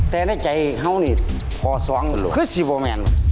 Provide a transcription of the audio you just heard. แต่ในใจเขานี่ข้อ๒คือสิโบแมน